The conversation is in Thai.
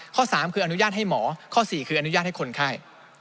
๓คืออนุญาตให้หมอข้อ๔คืออนุญาตให้คนไข้